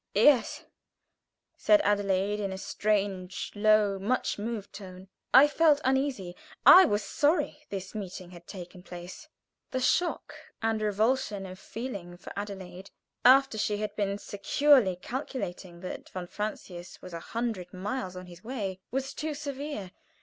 "Yes " said Adelaide, in a strange, low, much moved tone. I felt uneasy, I was sorry this meeting had taken place. The shock and revulsion of feeling for Adelaide, after she had been securely calculating that von Francius was a hundred miles on his way to , was too severe.